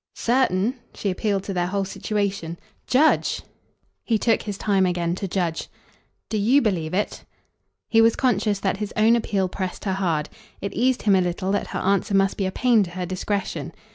"Certain?" She appealed to their whole situation. "Judge!" He took his time again to judge. "Do YOU believe it?" He was conscious that his own appeal pressed her hard; it eased him a little that her answer must be a pain to her discretion.